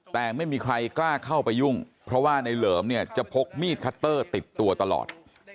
แต่ไม่มีใครกล้าเข้าไปยุ่งเพราะว่าในเหลิมเนี่ยจะพกมีดคัตเตอร์ติดตัวตลอด